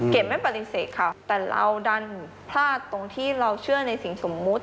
ไม่ปฏิเสธค่ะแต่เราดันพลาดตรงที่เราเชื่อในสิ่งสมมุติ